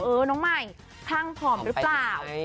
เออน้องใหม่ข้างผอมหรือเปล่า